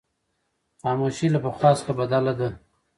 خاموشي له پخوا څخه بدله ده.